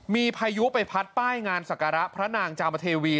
มีพายุไปพัดป้ายงานศักระพระนางจามเทวี